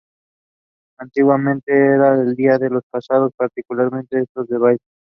Antiguamente era el día de los casados, participando estos en el baile.